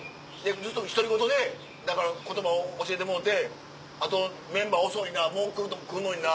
ずっと独り言でだから言葉教えてもろうて「あとメンバー遅いなもう来んのにな」。